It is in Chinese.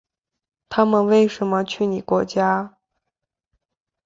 他们为什么去你国家？